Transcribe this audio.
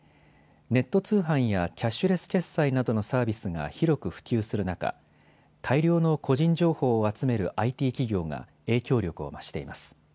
ネット通販やキャッシュレス決済などのサービスが広く普及する中、大量の個人情報を集めるＩＴ企業が影響力を増しています。